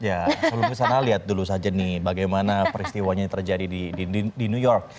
ya sebelum kesana lihat dulu saja nih bagaimana peristiwanya yang terjadi di new york